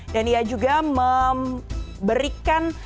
dan ia juga memberikan